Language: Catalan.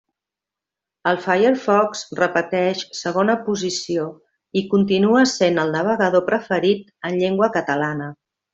El Firefox repeteix segona posició, i continua sent el navegador preferit en llengua catalana.